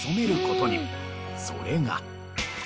それが。